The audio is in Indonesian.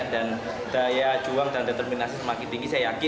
dan daya juang dan determinasi semakin tinggi